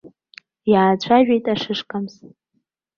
Иаацәажәеит ашышкамс.